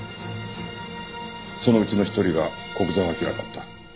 そのうちの一人が古久沢明だった。